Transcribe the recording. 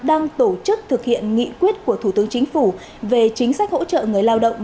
đang tổ chức thực hiện nghị quyết của thủ tướng chính phủ về chính sách hỗ trợ người lao động